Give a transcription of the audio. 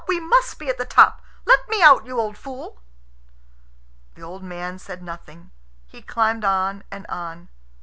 We must be at the top. Let me out, you old fool!" The old man said nothing; he climbed on and on.